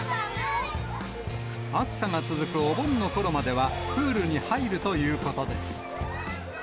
暑さが続くお盆のころまではプールに入るということです。